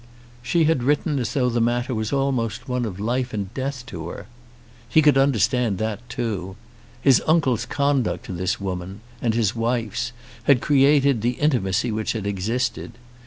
She had written as though the matter was almost one of life and death to her. He could understand that too. His uncle's conduct to this woman, and his wife's, had created the intimacy which had existed.